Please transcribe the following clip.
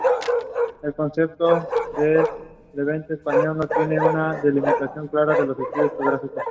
El concepto de "Levante español" no tiene una delimitación clara en los estudios geográficos.